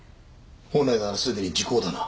本来ならすでに時効だな。